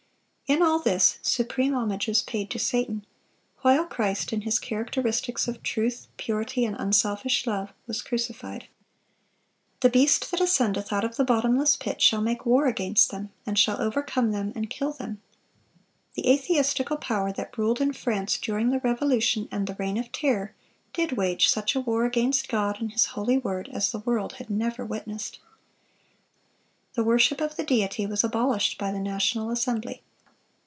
In all this, supreme homage was paid to Satan; while Christ, in His characteristics of truth, purity, and unselfish love, was crucified. "The beast that ascendeth out of the bottomless pit shall make war against them, and shall overcome them, and kill them." The atheistical power that ruled in France during the Revolution and the Reign of Terror, did wage such a war against God and His holy word as the world had never witnessed. The worship of the Deity was abolished by the National Assembly.